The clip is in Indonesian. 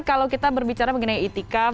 kalau kita berbicara mengenai itikaf